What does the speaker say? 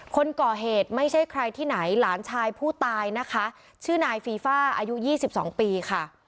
คนก่อเหตุไม่ใช่ใครที่ไหนหลานชายผู้ตายนะคะชื่อนายฟีฟ่าอายุ๒๒ปีค่ะ